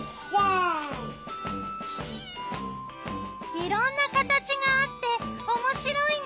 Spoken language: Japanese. いろんな形があっておもしろいね！